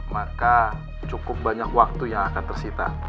maka cukup banyak waktu yang akan tersita